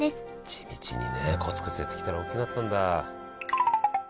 地道にねコツコツやってきたら大きくなったんだ。